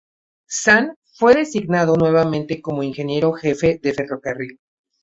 Zhan fue designado nuevamente como ingeniero jefe del ferrocarril.